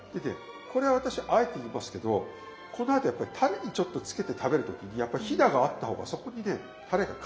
これ私あえて言いますけどこのあとやっぱりたれにちょっとつけて食べる時にやっぱりひだがあった方がそこにねたれがからむ。